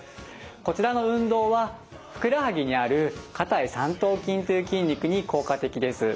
こちらの運動はふくらはぎにある下腿三頭筋という筋肉に効果的です。